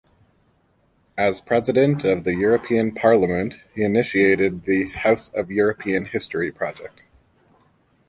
As President of the European Parliament he initiated the House of European History project.